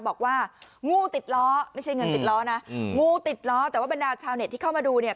บอกว่างูติดล้อไม่ใช่เงินติดล้อนะงูติดล้อแต่ว่าบรรดาชาวเน็ตที่เข้ามาดูเนี่ย